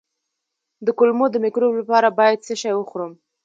د کولمو د مکروب لپاره باید څه شی وخورم؟